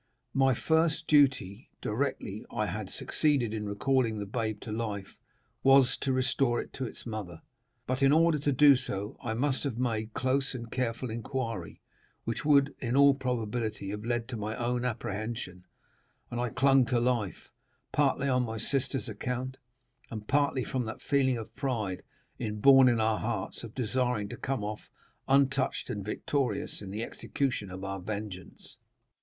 My first duty, directly I had succeeded in recalling the babe to life, was to restore it to its mother; but, in order to do so, I must have made close and careful inquiry, which would, in all probability, have led to my own apprehension; and I clung to life, partly on my sister's account, and partly from that feeling of pride inborn in our hearts of desiring to come off untouched and victorious in the execution of our vengeance.